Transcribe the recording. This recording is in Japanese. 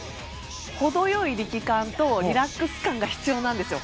ほどよい力感とリラックス感が必要なんですよ